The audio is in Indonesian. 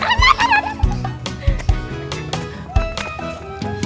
eh eh eh ah